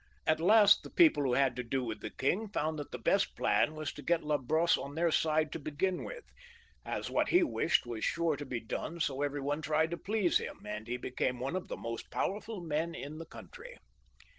At last the people who had to do with the king found that the best plan was to get La Brosse on their side to begin with, as what he wished was sure to be done ; so every one tried to please him, and he became one of the most powerful men in the country.